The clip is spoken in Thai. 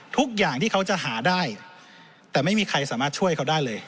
ทุกอย่างที่เขาจะหาได้แต่ไม่มีใครสามารถช่วยเขาได้เลย